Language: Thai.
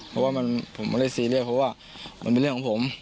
เพราะว่าผมไม่ได้ซีเรียสเพราะว่ามันเป็นเรื่องของผม